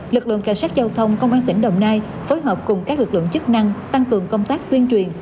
điều tiết giao thông công an tỉnh đồng nai phối hợp cùng các lực lượng chức năng tăng cường công tác tuyên truyền